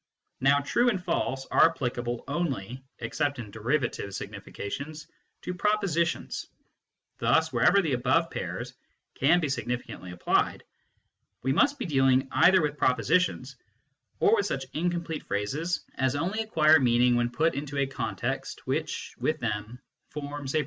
Now "true" and " false " are applicable only except in derivative signifi cations to propositions. Thus wherever the above pairs can be significantly applied, we must be dealing either with propositions or with such incomplete phrases as 1 Die Erfahrungsgrundlagen unseres Wissens, p.